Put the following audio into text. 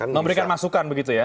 memberikan masukan begitu ya